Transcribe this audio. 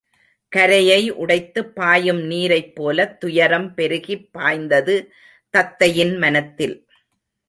கரையை உடைத்துப் பாயும் நீரைப் போலத் துயரம் பெருகிப் பாய்ந்தது தத்தையின் மனத்தில்.